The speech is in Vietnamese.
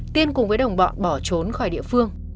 tiên cùng với đồng bọn bỏ trốn khỏi địa phương